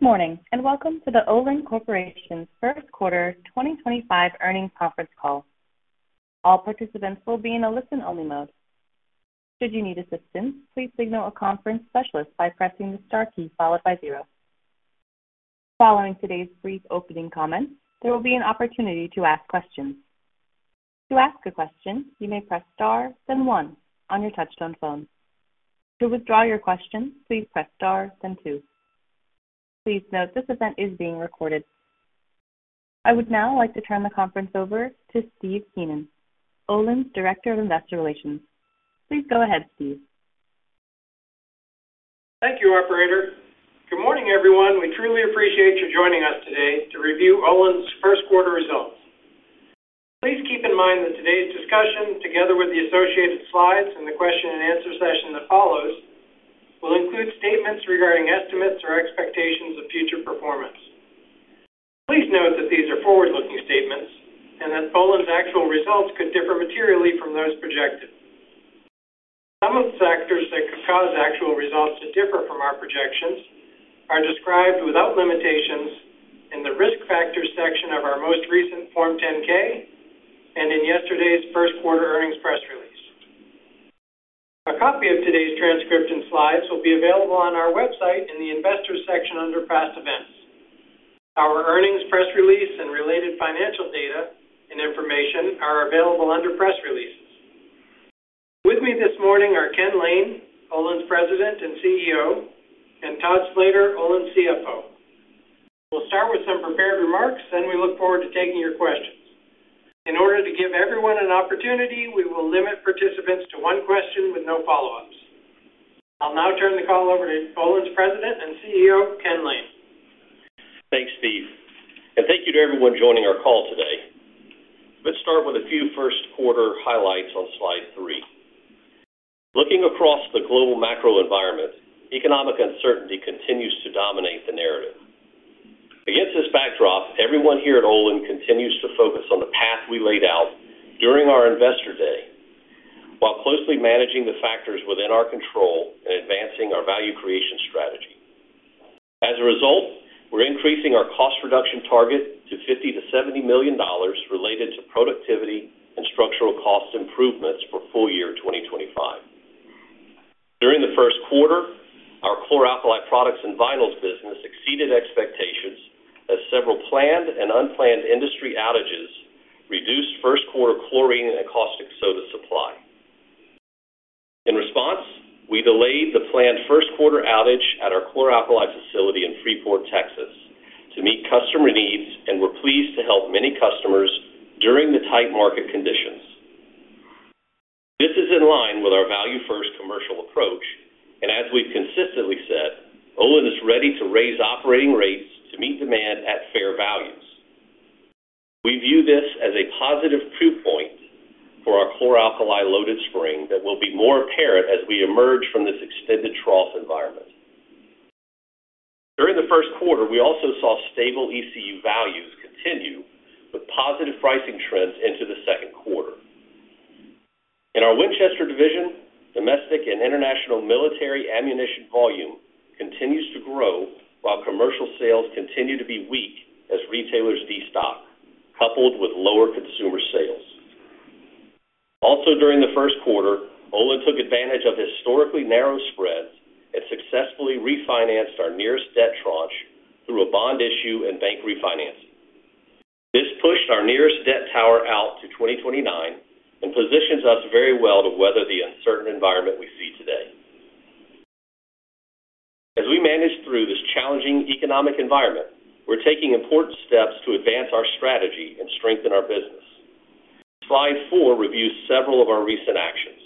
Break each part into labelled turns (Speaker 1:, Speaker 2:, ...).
Speaker 1: Good morning and welcome to the Olin Corporation's first quarter 2025 earnings conference call. All participants will be in a listen-only mode. Should you need assistance, please signal a conference specialist by pressing the star key followed by zero. Following today's brief opening comments, there will be an opportunity to ask questions. To ask a question, you may press star, then one, on your touch-tone phone. To withdraw your question, please press star, then two. Please note this event is being recorded. I would now like to turn the conference over to Steve Keenan, Olin's Director of Investor Relations. Please go ahead, Steve.
Speaker 2: Thank you, Operator. Good morning, everyone. We truly appreciate your joining us today to review Olin's first quarter results. Please keep in mind that today's discussion, together with the associated slides and the question-and-answer session that follows, will include statements regarding estimates or expectations of future performance. Please note that these are forward-looking statements and that Olin's actual results could differ materially from those projected. Some of the factors that could cause actual results to differ from our projections are described without limitations in the risk factors section of our most recent Form 10-K and in yesterday's first quarter earnings press release. A copy of today's transcript and slides will be available on our website in the investors section under past events. Our earnings press release and related financial data and information are available under press releases. With me this morning are Ken Lane, Olin's President and CEO, and Todd Slater, Olin's CFO. We'll start with some prepared remarks, then we look forward to taking your questions. In order to give everyone an opportunity, we will limit participants to one question with no follow-ups. I'll now turn the call over to Olin's President and CEO, Ken Lane.
Speaker 3: Thanks, Steve. Thank you to everyone joining our call today. Let's start with a few first quarter highlights on slide three. Looking across the global macro environment, economic uncertainty continues to dominate the narrative. Against this backdrop, everyone here at Olin continues to focus on the path we laid out during our investor day while closely managing the factors within our control and advancing our value creation strategy. As a result, we're increasing our cost reduction target to $50-$70 million related to productivity and structural cost improvements for full year 2025. During the first quarter, our chlor-alkali products and vinyls business exceeded expectations as several planned and unplanned industry outages reduced first quarter chlorine and caustic soda supply. In response, we delayed the planned first quarter outage at our chlor-alkali facility in Freeport, Texas, to meet customer needs and were pleased to help many customers during the tight market conditions. This is in line with our value-first commercial approach, and as we've consistently said, Olin is ready to raise operating rates to meet demand at fair values. We view this as a positive proof point for our chlor- alkali-loaded spring that will be more apparent as we emerge from this extended trough environment. During the first quarter, we also saw stable ECU values continue with positive pricing trends into the second quarter. In our Winchester division, domestic and international military ammunition volume continues to grow while commercial sales continue to be weak as retailers destock, coupled with lower consumer sales. Also, during the first quarter, Olin took advantage of historically narrow spreads and successfully refinanced our nearest debt tranche through a bond issue and bank refinancing. This pushed our nearest debt tower out to 2029 and positions us very well to weather the uncertain environment we see today. As we manage through this challenging economic environment, we're taking important steps to advance our strategy and strengthen our business. Slide four reviews several of our recent actions.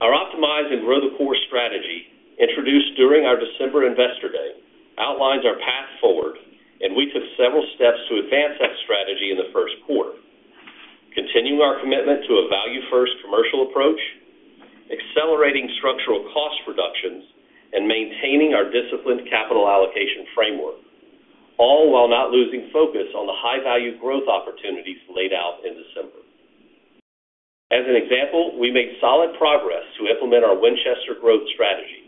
Speaker 3: Our optimize and grow the core strategy introduced during our December investor day outlines our path forward, and we took several steps to advance that strategy in the first quarter, continuing our commitment to a value-first commercial approach, accelerating structural cost reductions, and maintaining our disciplined capital allocation framework, all while not losing focus on the high-value growth opportunities laid out in December. As an example, we made solid progress to implement our Winchester growth strategy.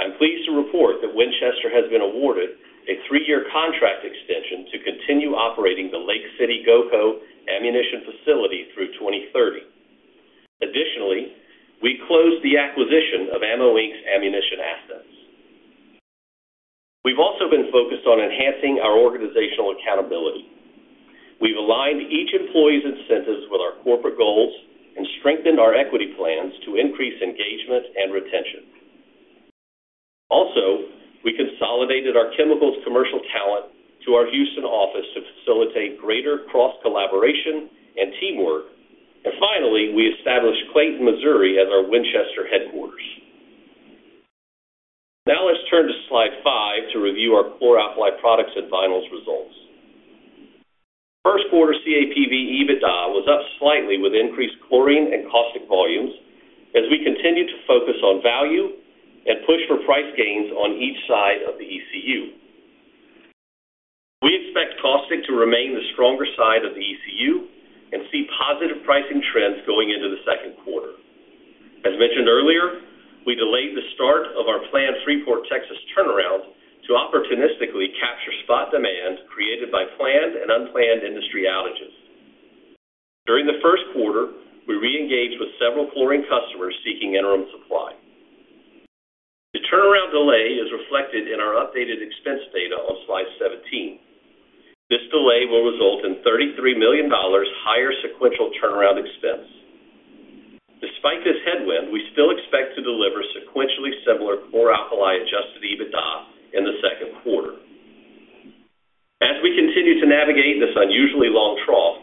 Speaker 3: I'm pleased to report that Winchester has been awarded a three-year contract extension to continue operating the Lake City GOCO ammunition facility through 2030. Additionally, we closed the acquisition of Ammo Inc.'s ammunition assets. We've also been focused on enhancing our organizational accountability. We've aligned each employee's incentives with our corporate goals and strengthened our equity plans to increase engagement and retention. We consolidated our chemicals commercial talent to our Houston office to facilitate greater cross-collaboration and teamwork. Finally, we established Clayton, Missouri, as our Winchester headquarters. Now let's turn to slide five to review our chlor-alkali products and vinyls results. First quarter CAPV EBITDA was up slightly with increased chlorine and caustic volumes as we continue to focus on value and push for price gains on each side of the ECU. We expect caustic to remain the stronger side of the ECU and see positive pricing trends going into the second quarter. As mentioned earlier, we delayed the start of our planned Freeport, Texas turnaround to opportunistically capture spot demand created by planned and unplanned industry outages. During the first quarter, we re-engaged with several chlorine customers seeking interim supply. The turnaround delay is reflected in our updated expense data on slide 17. This delay will result in $33 million higher sequential turnaround expense. Despite this headwind, we still expect to deliver sequentially similar chlor-alkali-adjusted EBITDA in the second quarter. As we continue to navigate this unusually long trough,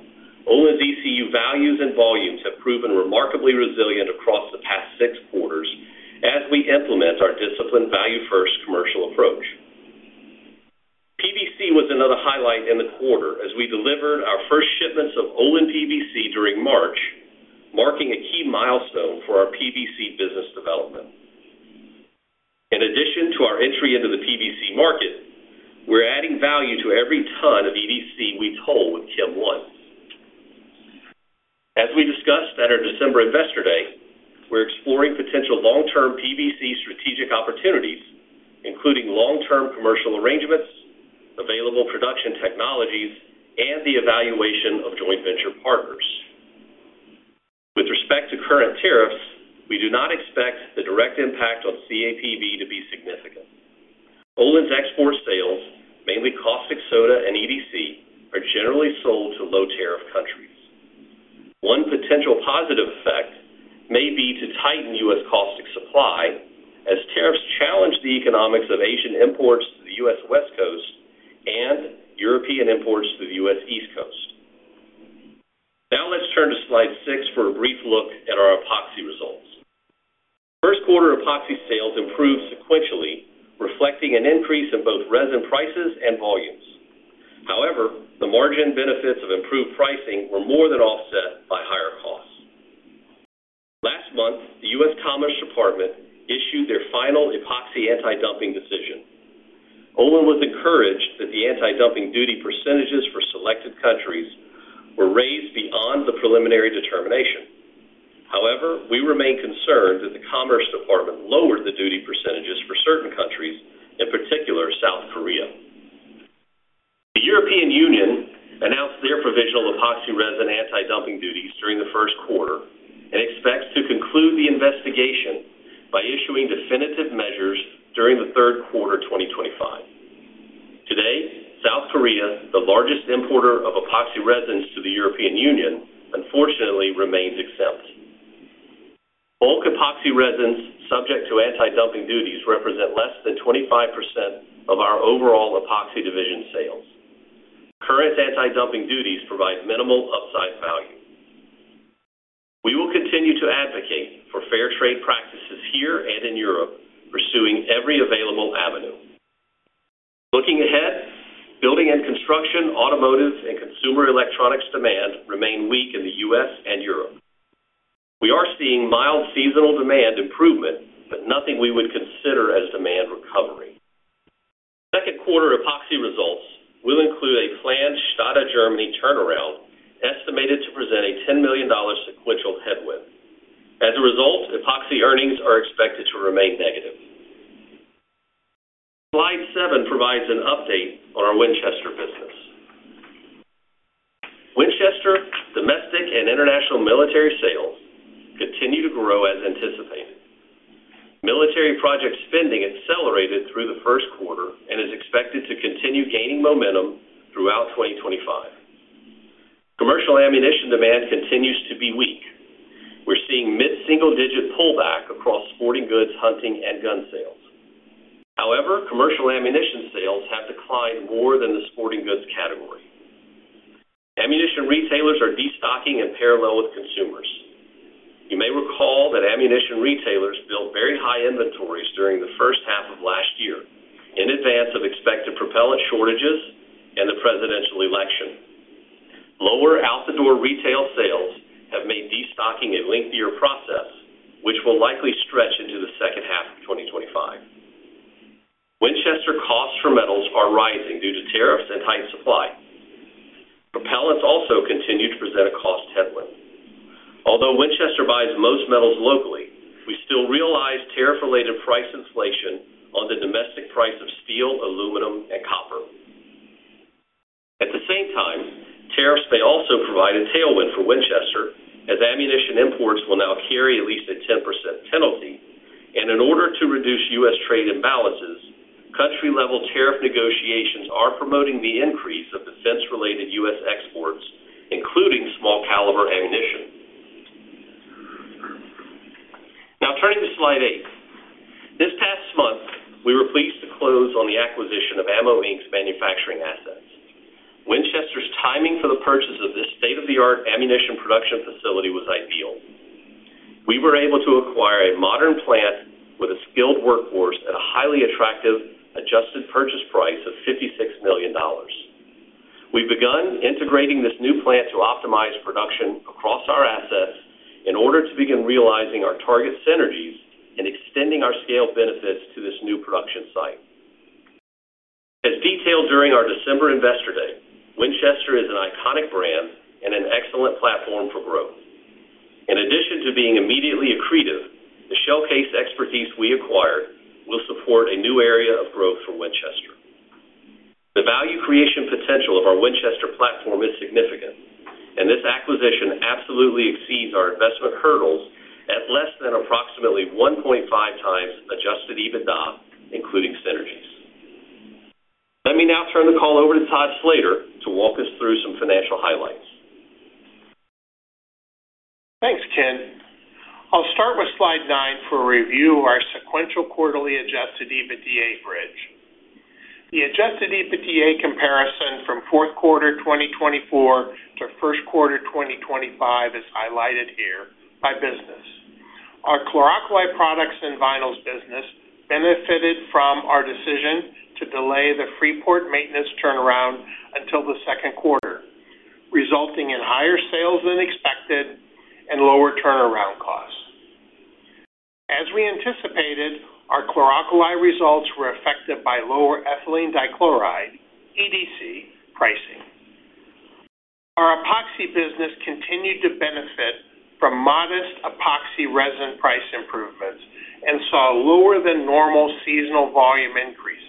Speaker 3: Olin's ECU values and volumes have proven remarkably resilient across the past six quarters as we implement our disciplined value-first commercial approach. PVC was another highlight in the quarter as we delivered our first shipments of Olin PVC during March, marking a key milestone for our PVC business development. In addition to our entry into the PVC market, we're adding value to every ton of VCM we toll with Kem One. As we discussed at our December investor day, we're exploring potential long-term PVC strategic opportunities, including long-term commercial arrangements, available production technologies, and the evaluation of joint venture partners. With respect to current tariffs, we do not expect the direct impact on PVC to be significant. Olin's export sales, mainly caustic soda and VCM, are generally sold to low-tariff countries. One potential positive effect may be to tighten U.S. caustic supply as tariffs challenge the economics of Asian imports to the U.S. West Coast and European imports to the U.S. East Coast. Now let's turn to slide six for a brief look at our epoxy results. First quarter epoxy sales improved sequentially, reflecting an increase in both resin prices and volumes. However, the margin benefits of improved pricing were more than offset by higher costs. Last month, the U.S. Commerce Department issued their final epoxy anti-dumping decision. Olin was encouraged that the anti-dumping duty percentages for selected countries were raised beyond the preliminary determination. However, we remain concerned that the Commerce Department lowered the duty percentages for certain countries, in particular South Korea. The European Union announced their provisional epoxy resin anti-dumping duties during the first quarter and expects to conclude the investigation by issuing definitive measures during the third quarter 2025. Today, South Korea, the largest importer of epoxy resins to the European Union, unfortunately remains exempt. Bulk epoxy resins subject to anti-dumping duties represent less than 25% of our overall epoxy division sales. Current anti-dumping duties provide minimal upside value. We will continue to advocate for fair trade practices here and in Europe, pursuing every available avenue. Looking ahead, building and construction, automotive, and consumer electronics demand remain weak in the U.S. and Europe. We are seeing mild seasonal demand improvement, but nothing we would consider as demand recovery. Second quarter epoxy results will include a planned Stade, Germany turnaround estimated to present a $10 million sequential headwind. As a result, epoxy earnings are expected to remain negative. Slide seven provides an update on our Winchester business. Winchester, domestic and international military sales continue to grow as anticipated. Military project spending accelerated through the first quarter and is expected to continue gaining momentum throughout 2025. Commercial ammunition demand continues to be weak. We're seeing mid-single-digit pullback across sporting goods, hunting, and gun sales. However, commercial ammunition sales have declined more than the sporting goods category. Ammunition retailers are destocking in parallel with consumers. You may recall that ammunition retailers built very high inventories during the first half of last year in advance of expected propellant shortages and the presidential election. Lower out-the-door retail sales have made destocking a lengthier process, which will likely stretch into the second half of 2025. Winchester costs for metals are rising due to tariffs and tight supply. Propellants also continue to present a cost headwind. Although Winchester buys most metals locally, we still realize tariff-related price inflation on the domestic price of steel, aluminum, and copper. At the same time, tariffs may also provide a tailwind for Winchester as ammunition imports will now carry at least a 10% penalty. In order to reduce U.S. Trade imbalances, country-level tariff negotiations are promoting the increase of defense-related U.S. exports, including small-caliber ammunition. Now turning to slide eight. This past month, we were pleased to close on the acquisition of Ammo Inc.'s manufacturing assets. Winchester's timing for the purchase of this state-of-the-art ammunition production facility was ideal. We were able to acquire a modern plant with a skilled workforce at a highly attractive adjusted purchase price of $56 million. We've begun integrating this new plant to optimize production across our assets in order to begin realizing our target synergies and extending our scale benefits to this new production site. As detailed during our December investor day, Winchester is an iconic brand and an excellent platform for growth. In addition to being immediately accretive, the showcase expertise we acquired will support a new area of growth for Winchester. The value creation potential of our Winchester platform is significant, and this acquisition absolutely exceeds our investment hurdles at less than approximately 1.5 times adjusted EBITDA, including synergies. Let me now turn the call over to Todd Slater to walk us through some financial highlights.
Speaker 4: Thanks, Ken. I'll start with slide nine for a review of our sequential quarterly adjusted EBITDA bridge. The adjusted EBITDA comparison from fourth quarter 2024 to first quarter 2025 is highlighted here by business. Our chlor-alkali products and vinyls business benefited from our decision to delay the Freeport maintenance turnaround until the second quarter, resulting in higher sales than expected and lower turnaround costs. As we anticipated, our chlor-alkali results were affected by lower ethylene dichloride (EDC) pricing. Our epoxy business continued to benefit from modest epoxy resin price improvements and saw lower-than-normal seasonal volume increases.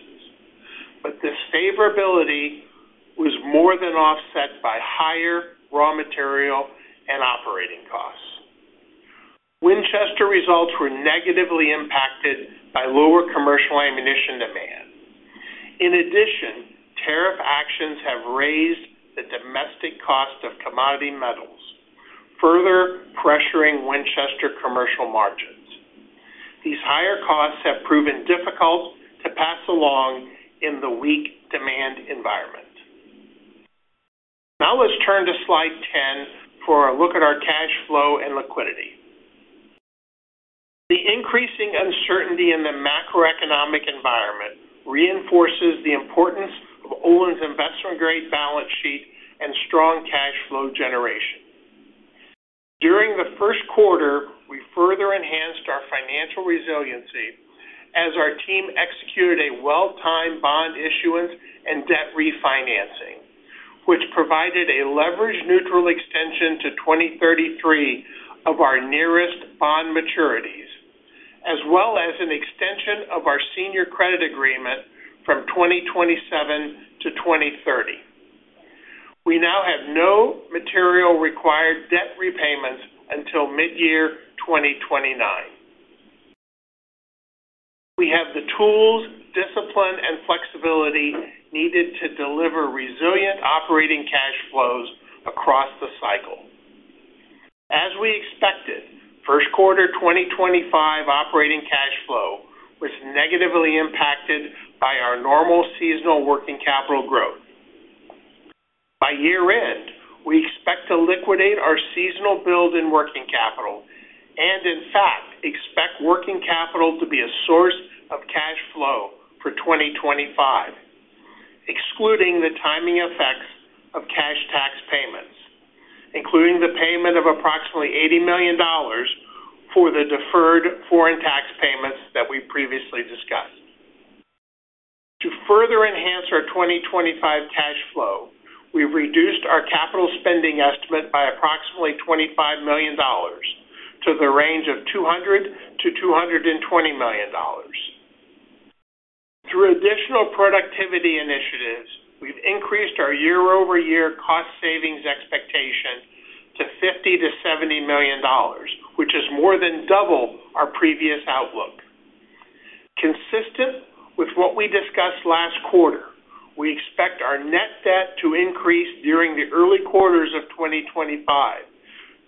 Speaker 4: This favorability was more than offset by higher raw material and operating costs. Winchester results were negatively impacted by lower commercial ammunition demand. In addition, tariff actions have raised the domestic cost of commodity metals, further pressuring Winchester commercial margins. These higher costs have proven difficult to pass along in the weak demand environment. Now let's turn to slide 10 for a look at our cash flow and liquidity. The increasing uncertainty in the macroeconomic environment reinforces the importance of Olin's investment-grade balance sheet and strong cash flow generation. During the first quarter, we further enhanced our financial resiliency as our team executed a well-timed bond issuance and debt refinancing, which provided a leverage-neutral extension to 2033 of our nearest bond maturities, as well as an extension of our senior credit agreement from 2027 to 2030. We now have no material required debt repayments until mid-year 2029. We have the tools, discipline, and flexibility needed to deliver resilient operating cash flows across the cycle. As we expected, first quarter 2025 operating cash flow was negatively impacted by our normal seasonal working capital growth. By year-end, we expect to liquidate our seasonal build-in working capital and, in fact, expect working capital to be a source of cash flow for 2025, excluding the timing effects of cash tax payments, including the payment of approximately $80 million for the deferred foreign tax payments that we previously discussed. To further enhance our 2025 cash flow, we've reduced our capital spending estimate by approximately $25 million to the range of $200-$220 million. Through additional productivity initiatives, we've increased our year-over-year cost savings expectation to $50-$70 million, which is more than double our previous outlook. Consistent with what we discussed last quarter, we expect our net debt to increase during the early quarters of 2025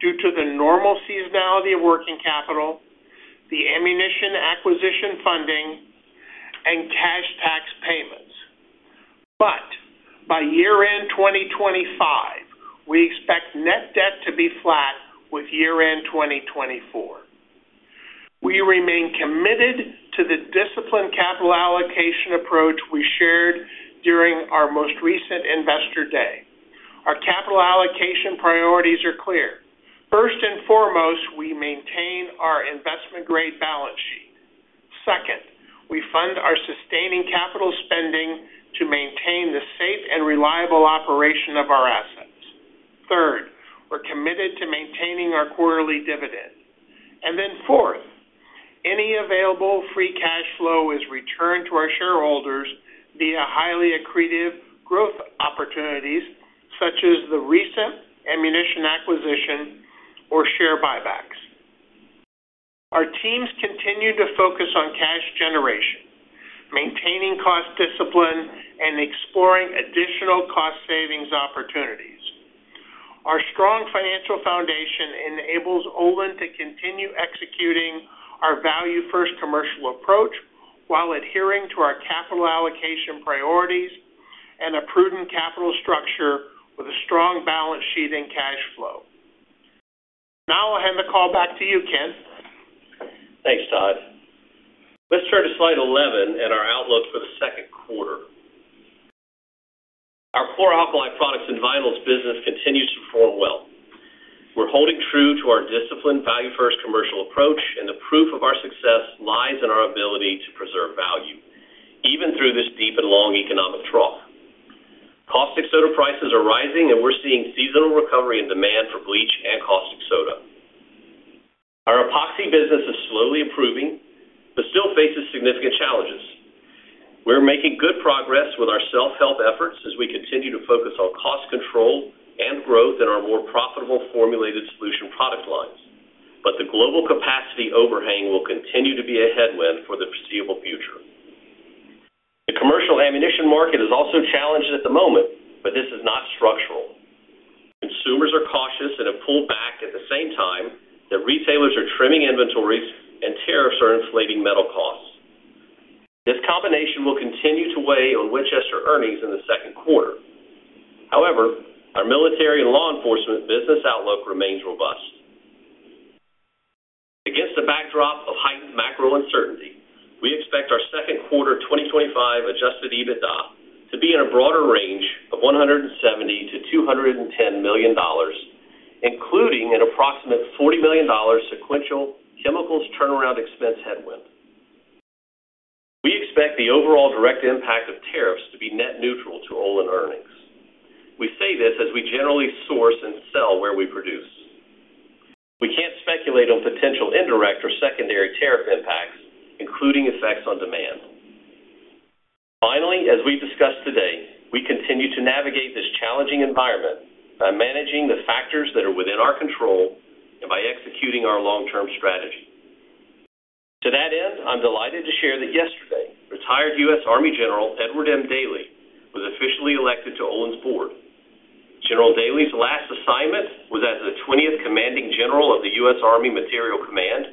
Speaker 4: due to the normal seasonality of working capital, the ammunition acquisition funding, and cash tax payments. By year-end 2025, we expect net debt to be flat with year-end 2024. We remain committed to the disciplined capital allocation approach we shared during our most recent investor day. Our capital allocation priorities are clear. First and foremost, we maintain our investment-grade balance sheet. Second, we fund our sustaining capital spending to maintain the safe and reliable operation of our assets. Third, we're committed to maintaining our quarterly dividend. Fourth, any available free cash flow is returned to our shareholders via highly accretive growth opportunities such as the recent ammunition acquisition or share buybacks. Our teams continue to focus on cash generation, maintaining cost discipline, and exploring additional cost savings opportunities. Our strong financial foundation enables Olin to continue executing our value-first commercial approach while adhering to our capital allocation priorities and a prudent capital structure with a strong balance sheet and cash flow. Now I'll hand the call back to you, Ken.
Speaker 3: Thanks, Todd. Let's turn to slide 11 and our outlook for the second quarter. Our chlor-alkali products and vinyls business continues to perform well. We're holding true to our disciplined, value-first commercial approach, and the proof of our success lies in our ability to preserve value, even through this deep and long economic trough. Caustic soda prices are rising, and we're seeing seasonal recovery in demand for bleach and caustic soda. Our epoxy business is slowly improving but still faces significant challenges. We're making good progress with our self-help efforts as we continue to focus on cost control and growth in our more profitable formulated solution product lines. The global capacity overhang will continue to be a headwind for the foreseeable future. The commercial ammunition market is also challenged at the moment, but this is not structural. Consumers are cautious and have pulled back at the same time that retailers are trimming inventories and tariffs are inflating metal costs. This combination will continue to weigh on Winchester earnings in the second quarter. However, our military and law enforcement business outlook remains robust. Against the backdrop of heightened macro uncertainty, we expect our second quarter 2025 adjusted EBITDA to be in a broader range of $170-$210 million, including an approximate $40 million sequential chemicals turnaround expense headwind. We expect the overall direct impact of tariffs to be net neutral to Olin earnings. We say this as we generally source and sell where we produce. We can't speculate on potential indirect or secondary tariff impacts, including effects on demand. Finally, as we've discussed today, we continue to navigate this challenging environment by managing the factors that are within our control and by executing our long-term strategy. To that end, I'm delighted to share that yesterday, retired U.S. Army General Edward M. Daly was officially elected to Olin's board. General Daley's last assignment was as the 20th Commanding General of the U.S. Army Materiel Command,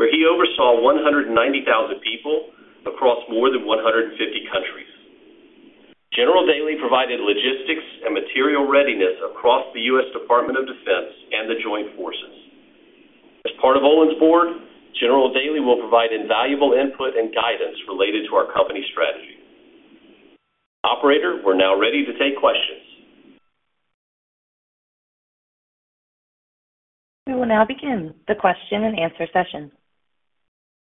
Speaker 3: where he oversaw 190,000 people across more than 150 countries. General Daley provided logistics and material readiness across the U.S. Department of Defense and the Joint Forces. As part of Olin's board, General Daley will provide invaluable input and guidance related to our company strategy. Operator, we're now ready to take questions.
Speaker 1: We will now begin the question and answer session.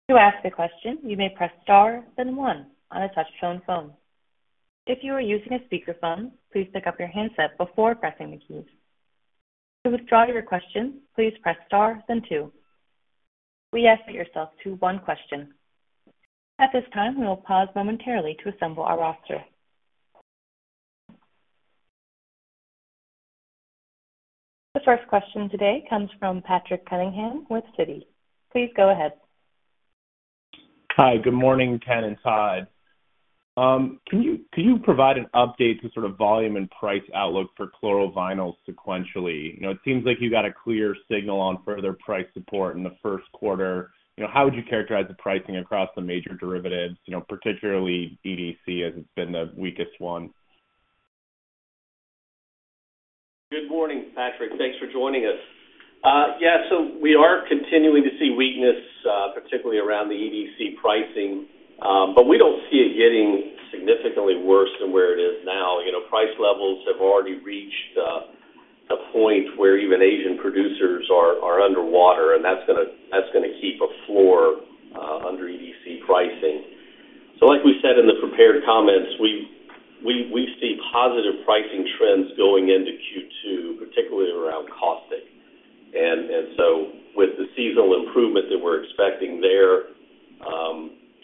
Speaker 1: To ask a question, you may press star then one on a touch-tone phone. If you are using a speakerphone, please pick up your handset before pressing the keys. To withdraw your question, please press star then two. Please ask yourself two one questions. At this time, we will pause momentarily to assemble our roster. The first question today comes from Patrick Cunningham with Citi. Please go ahead.
Speaker 5: Hi, good morning, Ken and Todd. Can you provide an update to sort of volume and price outlook for chlorovinyls sequentially? It seems like you got a clear signal on further price support in the first quarter. How would you characterize the pricing across the major derivatives, particularly EDC, as it's been the weakest one?
Speaker 3: Good morning, Patrick. Thanks for joining us. Yeah, we are continuing to see weakness, particularly around the EDC pricing, but we don't see it getting significantly worse than where it is now. Price levels have already reached a point where even Asian producers are underwater, and that's going to keep a floor under EDC pricing. Like we said in the prepared comments, we see positive pricing trends going into Q2, particularly around caustic. With the seasonal improvement that we're expecting there,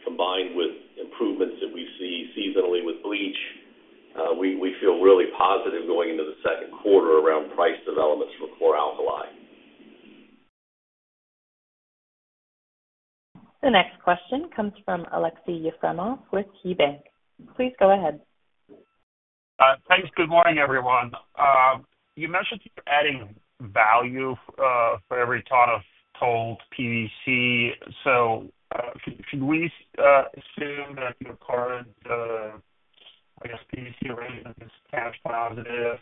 Speaker 3: combined with improvements that we see seasonally with bleach, we feel really positive going into the second quarter around price developments for chlor-alkali.
Speaker 1: The next question comes from Aleksey Yefremov with KeyBanc. Please go ahead.
Speaker 6: Thanks. Good morning, everyone. You mentioned you're adding value for every ton of tolled PVC. Can we assume that your current, I guess, PVC rate is cash positive?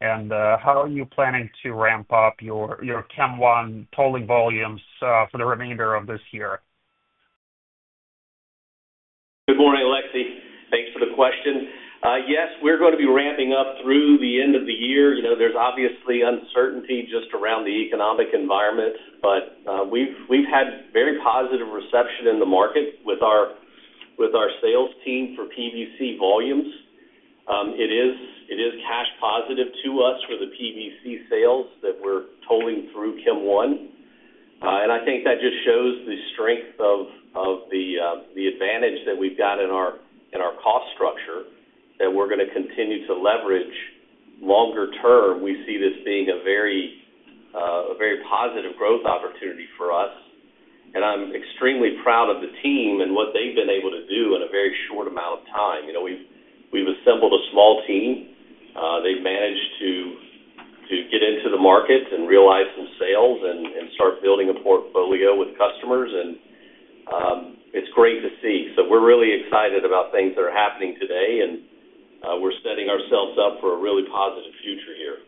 Speaker 6: How are you planning to ramp up your Chem One tolling volumes for the remainder of this year?
Speaker 3: Good morning, Aleksey. Thanks for the question. Yes, we're going to be ramping up through the end of the year. There's obviously uncertainty just around the economic environment, but we've had very positive reception in the market with our sales team for PVC volumes. It is cash positive to us for the PVC sales that we're tolling through Chem One. I think that just shows the strength of the advantage that we've got in our cost structure that we're going to continue to leverage longer term. We see this being a very positive growth opportunity for us. I'm extremely proud of the team and what they've been able to do in a very short amount of time. We've assembled a small team. They've managed to get into the market and realize some sales and start building a portfolio with customers. It's great to see. We're really excited about things that are happening today, and we're setting ourselves up for a really positive future here.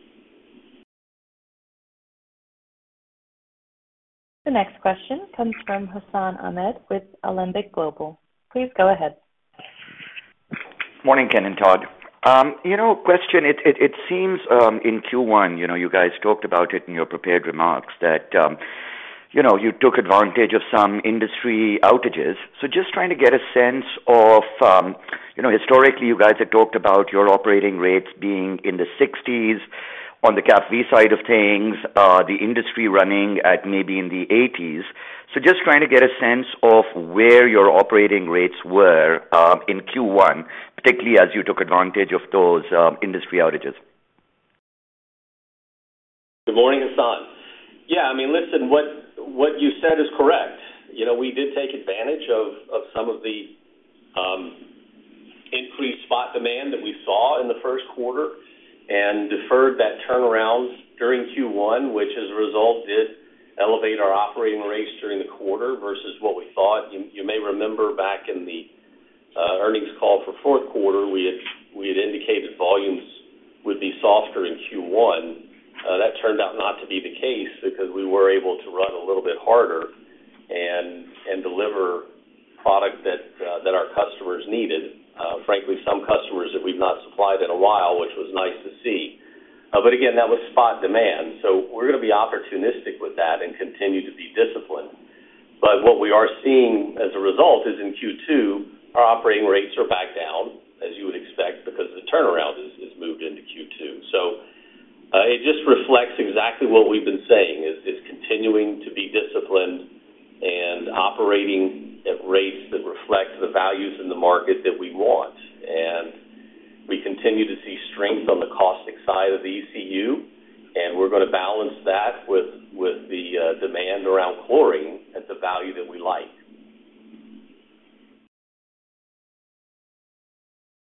Speaker 1: The next question comes from Hassan Ahmed with Alembic Global. Please go ahead.
Speaker 7: Morning, Ken and Todd. Question, it seems in Q1, you guys talked about it in your prepared remarks that you took advantage of some industry outages. Just trying to get a sense of historically, you guys had talked about your operating rates being in the 60s on the CAFV side of things, the industry running at maybe in the 80s. Just trying to get a sense of where your operating rates were in Q1, particularly as you took advantage of those industry outages.
Speaker 3: Good morning, Hasan. Yeah, I mean, listen, what you said is correct. We did take advantage of some of the increased spot demand that we saw in the first quarter and deferred that turnaround during Q1, which as a result did elevate our operating rates during the quarter versus what we thought. You may remember back in the earnings call for fourth quarter, we had indicated volumes would be softer in Q1. That turned out not to be the case because we were able to run a little bit harder and deliver product that our customers needed. Frankly, some customers that we've not supplied in a while, which was nice to see. Again, that was spot demand. We're going to be opportunistic with that and continue to be disciplined. What we are seeing as a result is in Q2, our operating rates are back down, as you would expect, because the turnaround has moved into Q2. It just reflects exactly what we've been saying, is continuing to be disciplined and operating at rates that reflect the values in the market that we want. We continue to see strength on the caustic side of the ECU, and we're going to balance that with the demand around chlorine at the value that we like.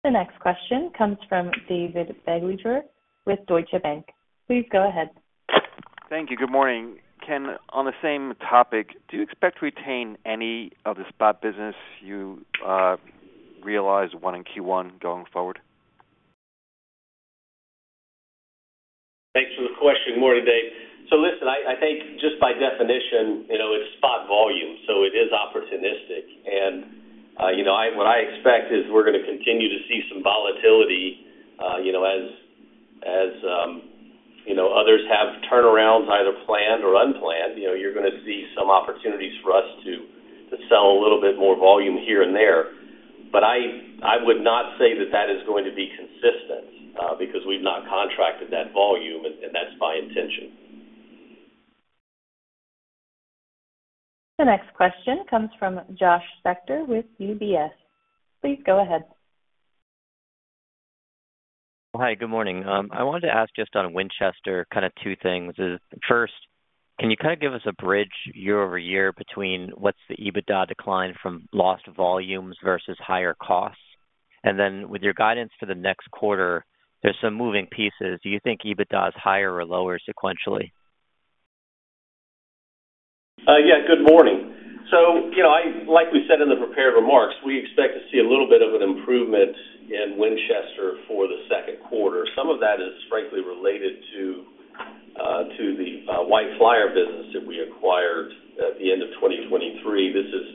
Speaker 1: The next question comes from David Begleiter with Deutsche Bank. Please go ahead.
Speaker 8: Thank you. Good morning. Ken, on the same topic, do you expect to retain any of the spot business you realized won in Q1 going forward?
Speaker 3: Thanks for the question, David. I think just by definition, it's spot volume, so it is opportunistic. What I expect is we're going to continue to see some volatility as others have turnarounds either planned or unplanned. You're going to see some opportunities for us to sell a little bit more volume here and there. I would not say that that is going to be consistent because we've not contracted that volume, and that's my intention.
Speaker 1: The next question comes from Josh Spector with UBS. Please go ahead.
Speaker 9: Hi, good morning. I wanted to ask just on Winchester kind of two things. First, can you kind of give us a bridge year over year between what's the EBITDA decline from lost volumes versus higher costs? With your guidance for the next quarter, there's some moving pieces. Do you think EBITDA is higher or lower sequentially?
Speaker 3: Yeah, good morning. Like we said in the prepared remarks, we expect to see a little bit of an improvement in Winchester for the second quarter. Some of that is frankly related to the White Flyer business that we acquired at the end of 2023. This is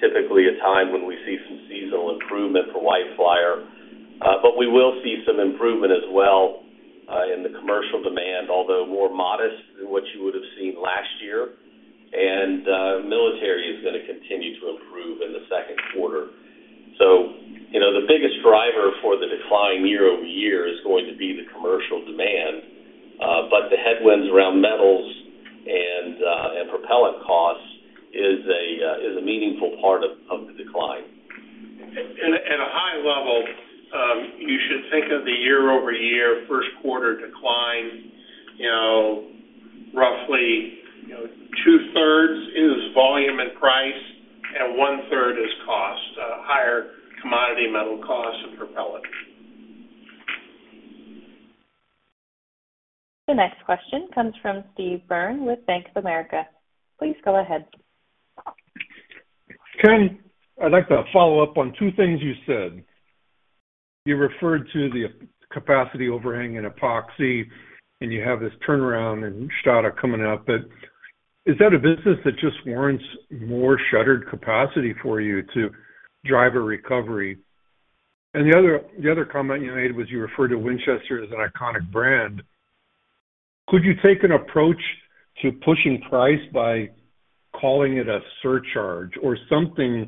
Speaker 3: typically a time when we see some seasonal improvement for White Flyer. We will see some improvement as well in the commercial demand, although more modest than what you would have seen last year. Military is going to continue to improve in the second quarter. The biggest driver for the decline year over year is going to be the commercial demand. The headwinds around metals and propellant costs is a meaningful part of the decline.
Speaker 4: At a high level, you should think of the year-over-year first quarter decline, roughly two-thirds is volume and price, and one-third is cost, higher commodity metal costs and propellant.
Speaker 1: The next question comes from Steve Byrne with Bank of America. Please go ahead.
Speaker 10: Ken, I'd like to follow up on two things you said. You referred to the capacity overhang in epoxy, and you have this turnaround in Stade coming up. Is that a business that just warrants more shuttered capacity for you to drive a recovery? The other comment you made was you referred to Winchester as an iconic brand. Could you take an approach to pushing price by calling it a surcharge or something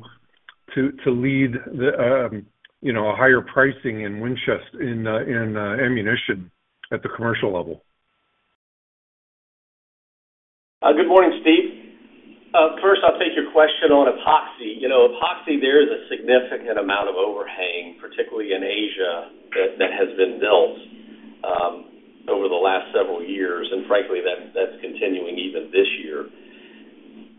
Speaker 10: to lead a higher pricing in ammunition at the commercial level?
Speaker 3: Good morning, Steve. First, I'll take your question on epoxy. Epoxy, there is a significant amount of overhang, particularly in Asia, that has been built over the last several years. Frankly, that's continuing even this year.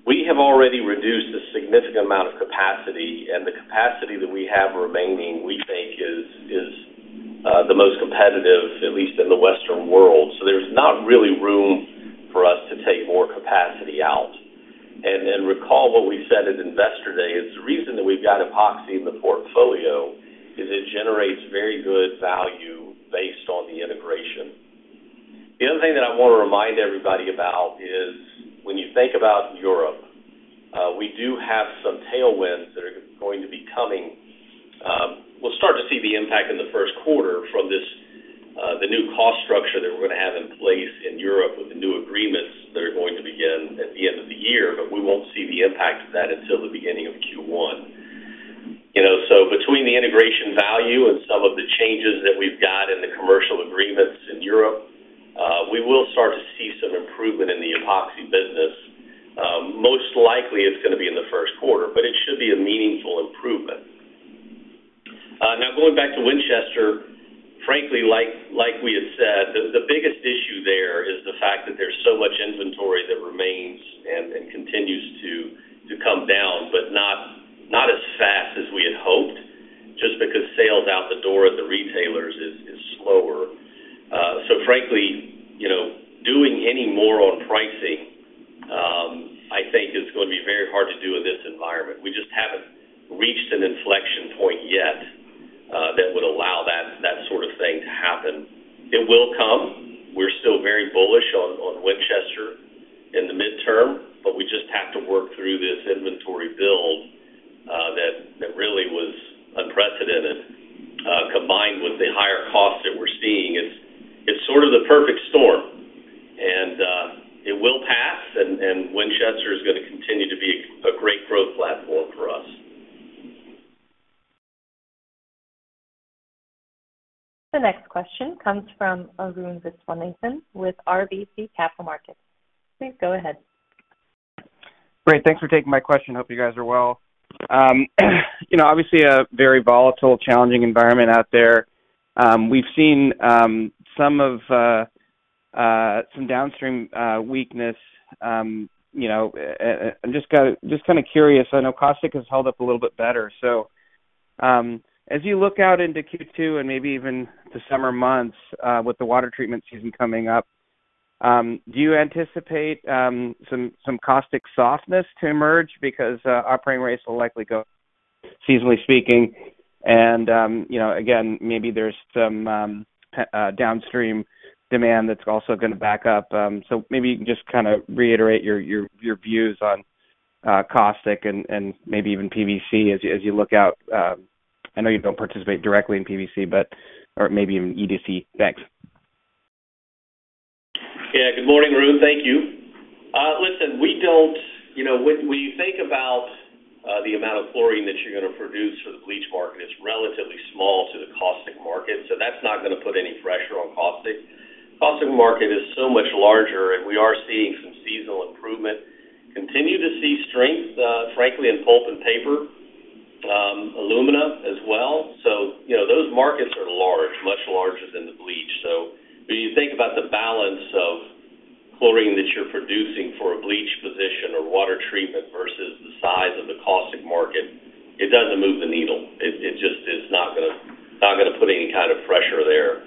Speaker 3: We have already reduced a significant amount of capacity. The capacity that we have remaining, we think, is the most competitive, at least in the Western world. There is not really room for us to take more capacity out. Recall what we said at Investor Day. The reason that we've got epoxy in the portfolio is it generates very good value based on the integration. The other thing that I want to remind everybody about is when you think about Europe, we do have some tailwinds that are going to be coming. We'll start to see the impact in the first quarter from the new cost structure that we're going to have in place in Europe with the new agreements that are going to begin at the end of the year. We won't see the impact of that until the beginning of Q1. Between the integration value and some of the changes that we've got in the commercial agreements in Europe, we will start to see some improvement in the epoxy business. Most likely, it's going to be in the first quarter, but it should be a meaningful improvement. Now, going back to Winchester, frankly, like we had said, the biggest issue there is the fact that there's so much inventory that remains and continues
Speaker 11: you look out into Q2 and maybe even the summer months with the water treatment season coming up, do you anticipate some caustic softness to emerge? Because operating rates will likely go up, seasonally speaking. Again, maybe there is some downstream demand that is also going to back up. Maybe you can just kind of reiterate your views on caustic and maybe even PVC as you look out. I know you do not participate directly in PVC, or maybe even EDC. Thanks.
Speaker 3: Yeah. Good morning, Arun. Thank you. Listen, when you think about the amount of chlorine that you are going to produce for the bleach market, it is relatively small to the caustic market. That is not going to put any pressure on caustic. The caustic market is so much larger, and we are seeing some seasonal improvement. Continue to see strength, frankly, in pulp and paper, alumina as well. Those markets are large, much larger than the bleach. When you think about the balance of chlorine that you're producing for a bleach position or water treatment versus the size of the caustic market, it doesn't move the needle. It just is not going to put any kind of pressure there.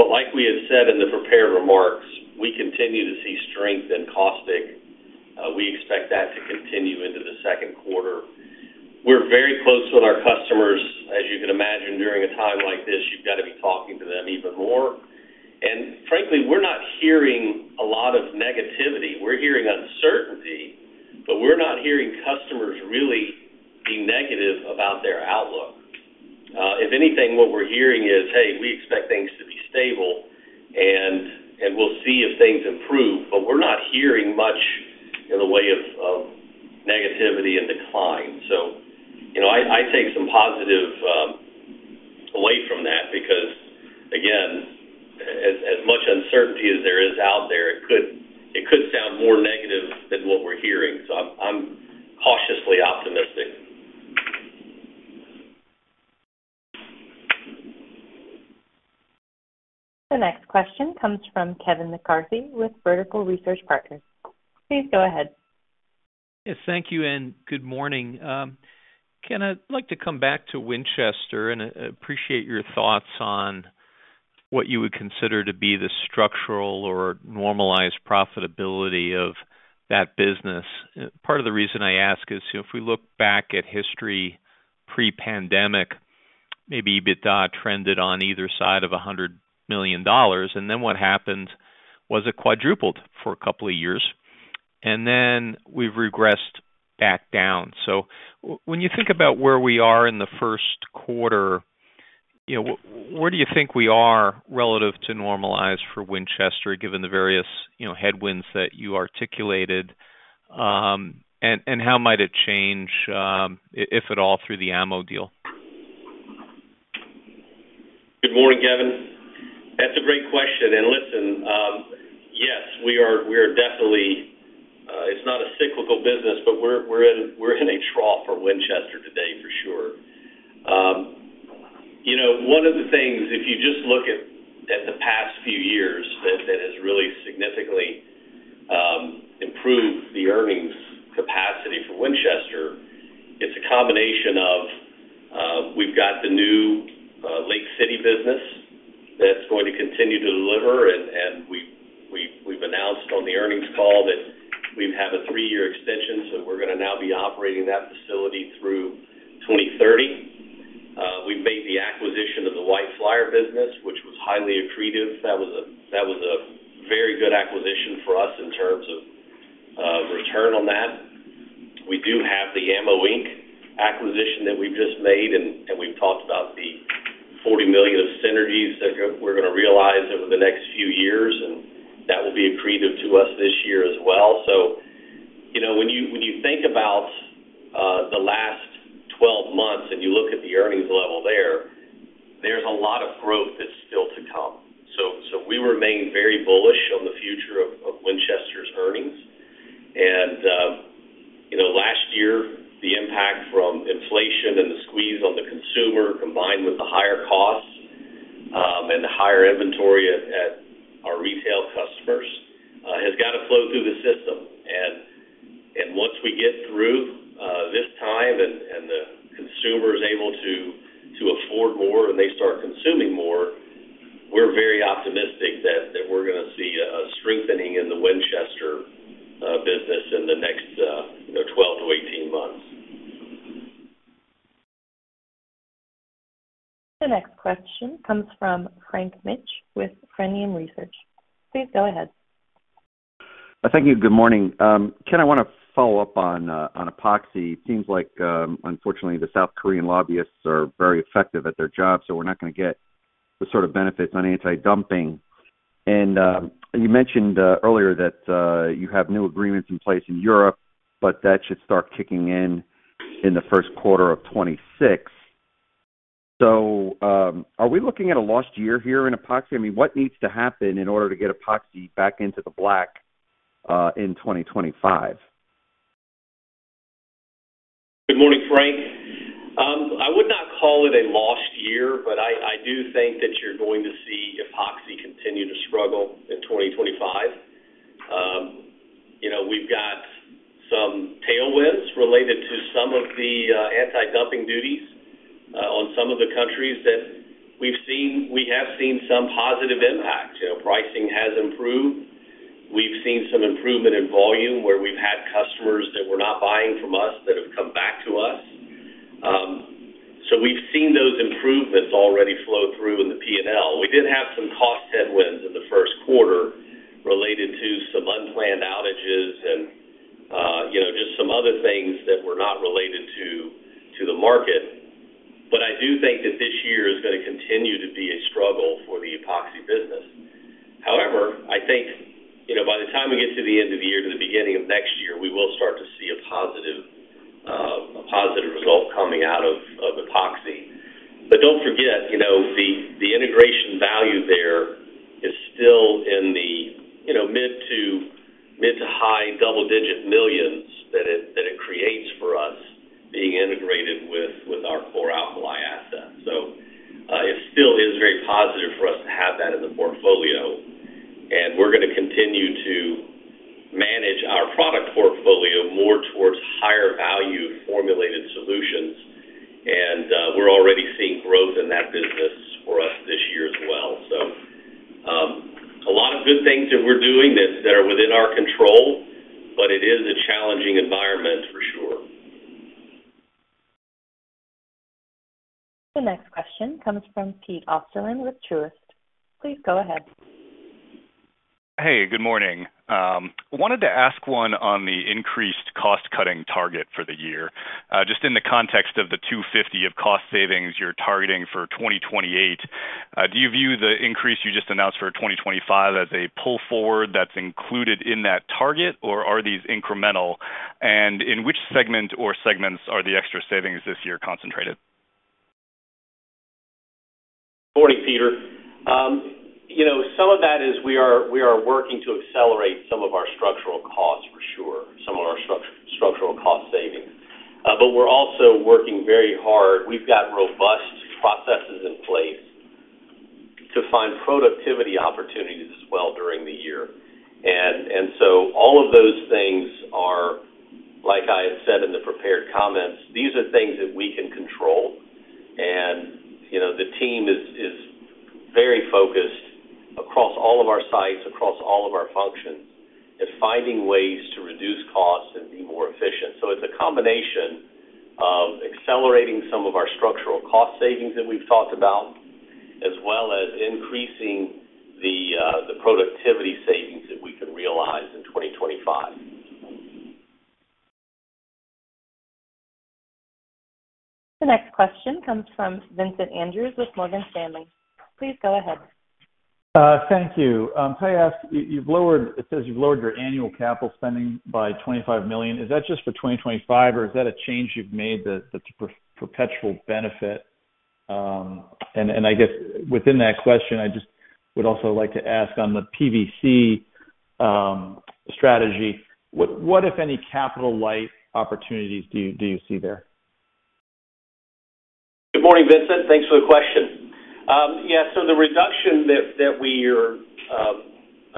Speaker 3: Like we had said in the prepared remarks, we continue to see strength in caustic. We expect that to continue into the second quarter. We're very close with our customers. As you can imagine, during a time like this, you've got to be talking to them even more. Frankly, we're not hearing a lot of negativity. We're hearing uncertainty, but we're not hearing customers really be negative about their outlook. If anything, what we're hearing is, "Hey, we expect things to be stable, and we'll see if things improve." We're not hearing much in the way of negativity and decline. I take some positive away from that because, again, as much uncertainty as there is out there, it could sound more negative than what we're hearing. I am cautiously optimistic.
Speaker 1: The next question comes from Kevin McCarthy with Vertical Research Partners. Please go ahead.
Speaker 12: Yes, thank you. And good morning. Ken, I'd like to come back to Winchester and appreciate your thoughts on what you would consider to be the structural or normalized profitability of that business. Part of the reason I ask is if we look back at history pre-pandemic, maybe EBITDA trended on either side of $100 million. What happened was it quadrupled for a couple of years. Then we've regressed back down. When you think about where we are in the first quarter, where do you think we are relative to normalize for Winchester, given the various headwinds that you articulated? How might it change, if at all, through the AMMO deal?
Speaker 3: Good morning, Kevin. That's a great question. Listen, yes, we are definitely, it's not a cyclical business, but we're in a trough for Winchester today, for sure. One of the things, if you just look at the past few years, that has really significantly improved the earnings capacity for Winchester, it's a combination of we've got the new Lake City business that's going to continue to deliver. We have announced on the earnings call that we have a three-year extension. We are now going to be operating that facility through 2030. We have made the acquisition of the White Flyer business, which was highly accretive. That was a very good acquisition for us in terms of return on that. We do have the Ammo Inc. acquisition that we've just made. And we've talked about the $40 million of synergies that we're going to realize over the next few years. That will be accretive to us this year as well. When you think about the last 12 months and you look at the earnings level there, there's a lot of growth that's still to come. We remain very bullish on the future of Winchester's earnings. Last year, the impact from inflation and the squeeze on the consumer, combined with the higher costs and the higher inventory at our retail customers, has got to flow through the system. Once we get through this time and the consumer is able to afford more and they start consuming more, we're very optimistic that we're going to see a strengthening in the Winchester business in the next 12 to 18 months.
Speaker 1: The next question comes from Frank Mitsch with Fermium Research. Please go ahead.
Speaker 13: Thank you. Good morning. Ken, I want to follow up on epoxy. It seems like, unfortunately, the South Korean lobbyists are very effective at their job. We're not going to get the sort of benefits on anti-dumping. You mentioned earlier that you have new agreements in place in Europe, but that should start kicking in in the first quarter of 2026. Are we looking at a lost year here in epoxy? I mean, what needs to happen in order to get epoxy back into the black in 2025?
Speaker 3: Good morning, Frank. I would not call it a lost year, but I do think that you're going to see epoxy continue to struggle in 2025. We've got some tailwinds related to some of the anti-dumping duties on some of the countries that we've seen. We have seen some positive impacts. Pricing has improved. We've seen some improvement in volume where we've had customers that were not buying from us that have come back to us. We've seen those improvements already flow through in the P&L. We did have some cost headwinds in the first quarter related to some unplanned outages and just some other things that were not related to the market. I do think that this year is going to continue to be a struggle for the epoxy business. However, I think by the time we get to the end of the year, to the beginning of next year, we will start to see Morning, Peter. Some of that is we are working to accelerate some of our structural costs for sure, some of our structural cost savings. We are also working very hard. We've got robust processes in place to find productivity opportunities as well during the year. All of those things are, like I had said in the prepared comments, these are things that we can control. The team is very focused across all of our sites, across all of our functions, at finding ways to reduce costs and be more efficient. It is a combination of accelerating some of our structural cost savings that we have talked about, as well as increasing the productivity savings that we can realize in 2025.
Speaker 1: The next question comes from Vincent Andrews with Morgan Stanley. Please go ahead.
Speaker 14: Thank you. Can I ask, it says you have lowered your annual capital spending by $25 million. Is that just for 2025, or is that a change you have made that is a perpetual benefit? I guess within that question, I just would also like to ask on the PVC strategy, what, if any, capital light opportunities do you see there?
Speaker 3: Good morning, Vincent. Thanks for the question. Yeah. The reduction that we are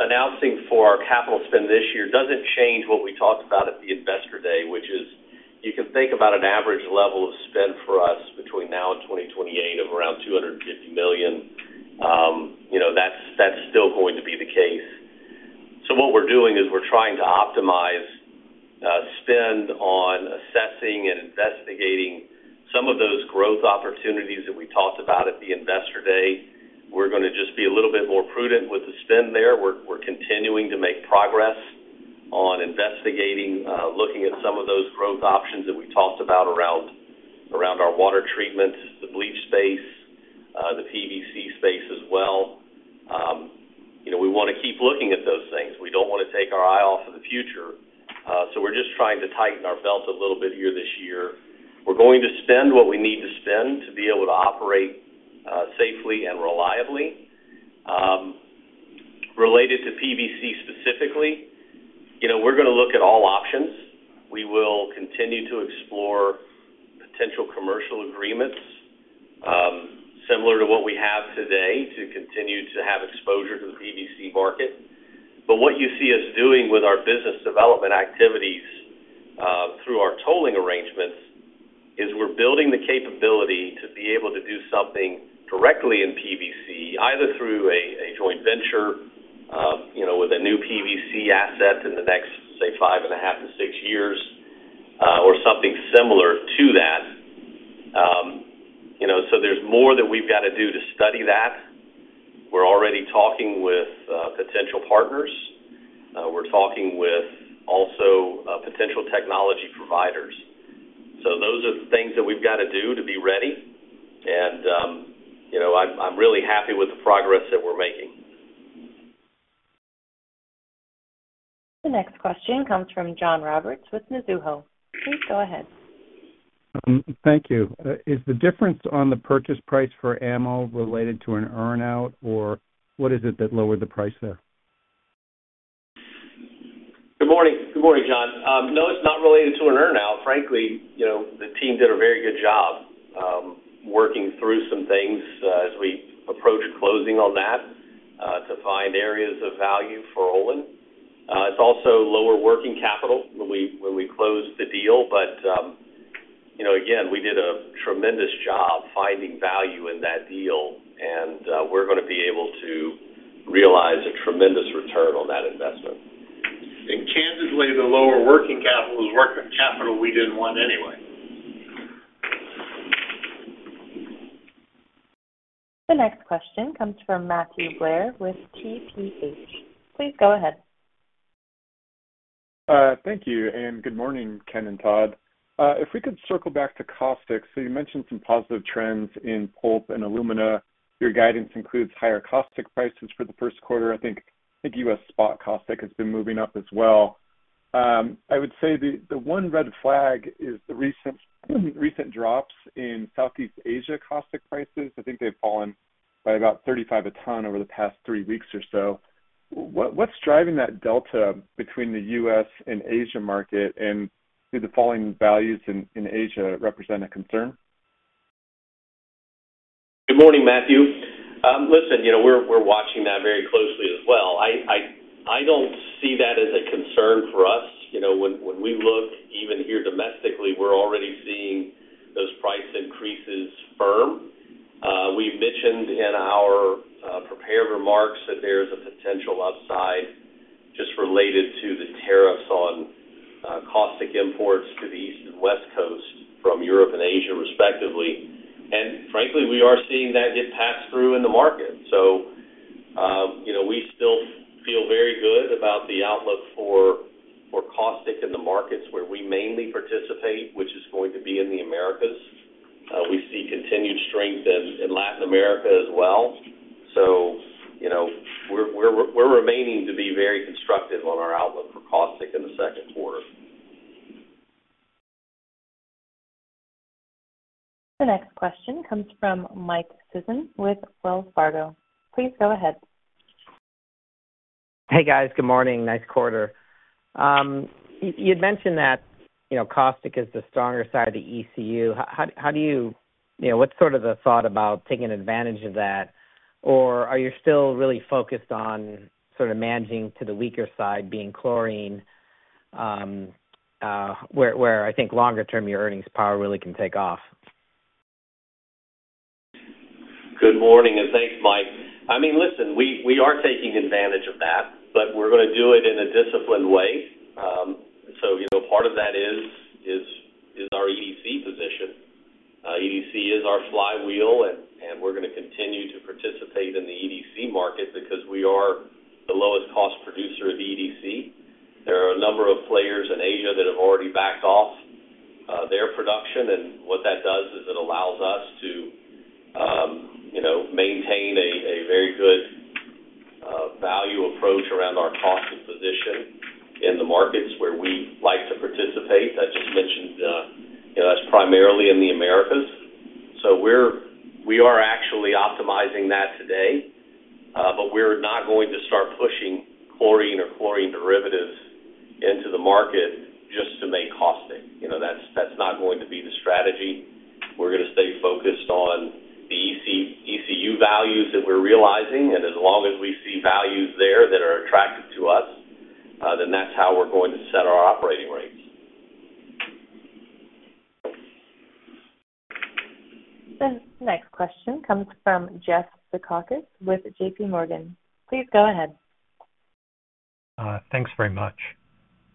Speaker 3: announcing for our capital spend this year does not change what we talked about at the investor day, which is you can think about an average level of spend for us between now and 2028 of around $250 million. That is still going to be the case. What we are doing is we are trying to optimize spend on assessing and investigating some of those growth opportunities that we talked about at the investor day. We are going to just be a little bit more prudent with the spend there. We are continuing to make progress on investigating, looking at some of those growth options that we talked about around our water treatment, the bleach space, the PVC space as well. We want to keep looking at those things. We do not want to take our eye off of the future. We're just trying to tighten our belt a little bit here this year. We're going to spend what we need to spend to be able to operate safely and reliably. Related to PVC specifically, we're going to look at all options. We will continue to explore potential commercial agreements, similar to what we have today, to continue to have exposure to the PVC market. What you see us doing with our business development activities through our tolling arrangements is we're building the capability to be able to do something directly in PVC, either through a joint venture with a new PVC asset in the next, say, five and a half to six years, or something similar to that. There's more that we've got to do to study that. We're already talking with potential partners. We're talking with also potential technology providers. Those are the things that we've got to do to be ready. I'm really happy with the progress that we're making.
Speaker 1: The next question comes from John Roberts with Mizuho. Please go ahead.
Speaker 15: Thank you. Is the difference on the purchase price for Ammo related to an earnout, or what is it that lowered the price there?
Speaker 3: Good morning. Good morning, John. No, it's not related to an earnout. Frankly, the team did a very good job working through some things as we approached closing on that to find areas of value for Olin. It's also lower working capital when we closed the deal. Again, we did a tremendous job finding value in that deal. We're going to be able to realize a tremendous return on that investment. Kansas laid a lower working capital as working capital we didn't want anyway.
Speaker 1: The next question comes from Matthew Blair with TPH. Please go ahead.
Speaker 16: Thank you. Good morning, Ken and Todd. If we could circle back to caustics, you mentioned some positive trends in pulp and alumina. Your guidance includes higher caustic prices for the first quarter. I think US spot caustic has been moving up as well. I would say the one red flag is the recent drops in Southeast Asia caustic prices. I think they have fallen by about $35 a ton over the past three weeks or so. What is driving that delta between the US and Asia market? Do the falling values in Asia represent a concern?
Speaker 3: Good morning, Matthew. Listen, we are watching that very closely as well. I do not see that as a concern for us. When we look even here domestically, we are already seeing those price increases firm. We've mentioned in our prepared remarks that there is a potential upside just related to the tariffs on caustic imports to the East and West Coast from Europe and Asia, respectively. Frankly, we are seeing that get passed through in the market. We still feel very good about the outlook for caustic in the markets where we mainly participate, which is going to be in the Americas. We see continued strength in Latin America as well. We are remaining to be very constructive on our outlook for caustic in the second quarter.
Speaker 1: The next question comes from Mike Sison with Wells Fargo. Please go ahead.
Speaker 17: Hey, guys. Good morning. Nice quarter. You had mentioned that caustic is the stronger side of the ECU. How do you—what's sort of the thought about taking advantage of that? Are you still really focused on sort of managing to the weaker side, being chlorine, where I think longer-term your earnings power really can take off?
Speaker 3: Good morning. Thanks, Mike. I mean, listen, we are taking advantage of that, but we're going to do it in a disciplined way. Part of that is our EDC position. EDC is our flywheel, and we're going to continue to participate in the EDC market because we are the lowest cost producer of EDC. There are a number of players in Asia that have already backed off their production. What that does is it allows us to maintain a very good value approach around our cost position in the markets where we like to participate. I just mentioned that's primarily in the Americas. We are actually optimizing that today, but we're not going to start pushing chlorine or chlorine derivatives into the market just to make caustic. That's not going to be the strategy. We're going to stay focused on the ECU values that we're realizing. As long as we see values there that are attractive to us, then that's how we're going to set our operating rates.
Speaker 1: The next question comes from Jeff Zekauskas with JPMorgan. Please go ahead.
Speaker 18: Thanks very much.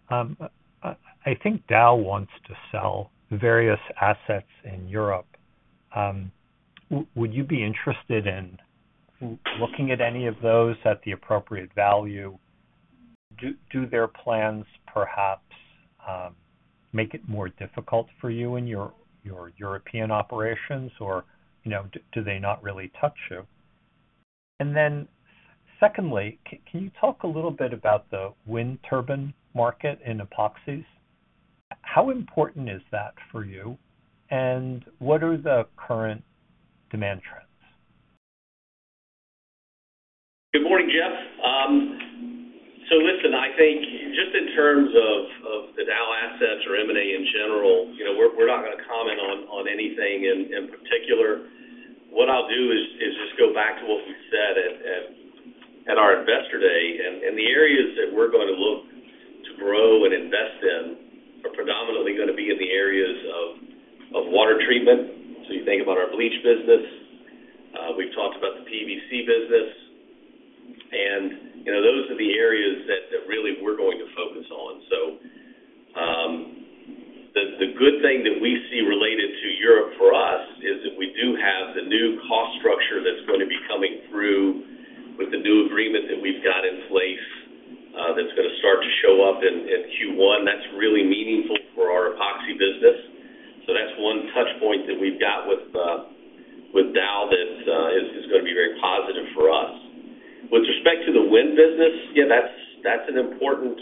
Speaker 18: I think Dow wants to sell various assets in Europe. Would you be interested in looking at any of those at the appropriate value? Do their plans perhaps make it more difficult for you in your European operations, or do they not really touch you? Secondly, can you talk a little bit about the wind turbine market in epoxies? How important is that for you, and what are the current demand trends?
Speaker 3: Good morning, Jeff. Listen, I think just in terms of the Dow assets or M&A in general, we're not going to comment on anything in particular. What I'll do is just go back to what we said at our investor day. The areas that we're going to look to grow and invest in are predominantly going to be in the areas of water treatment. You think about our bleach business. We've talked about the PVC business. Those are the areas that really we're going to focus on. The good thing that we see related to Europe for us is that we do have the new cost structure that's going to be coming through with the new agreement that we've got in place that's going to start to show up in Q1. That's really meaningful for our epoxy business. That is one touchpoint that we've got with Dow that is going to be very positive for us. With respect to the wind business, yeah, that's an important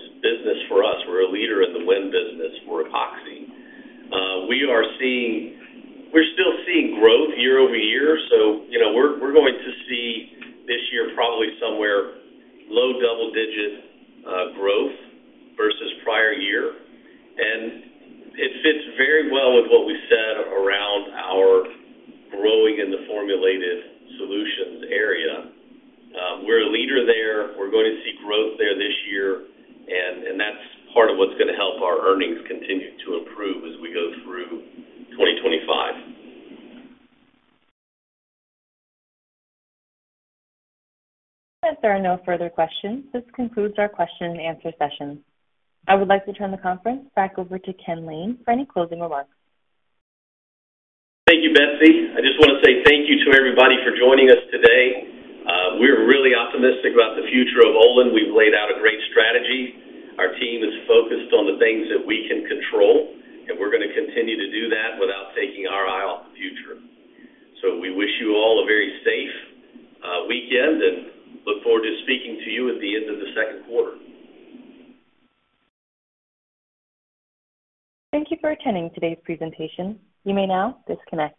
Speaker 3: look forward to speaking to you at the end of the second quarter.
Speaker 1: Thank you for attending today's presentation. You may now disconnect.